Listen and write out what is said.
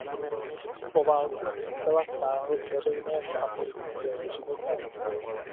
Po válce se zcela stáhl z veřejného a politického života.